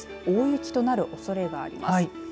大雪となるおそれがあります。